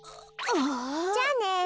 じゃあね。